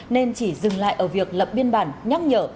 nên chỉ dừng lại ở việc lập biên bản nhắc nhở